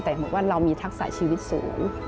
แต่เรามีทักษะชีวิตสูง